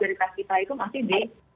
dari tes kita itu masih di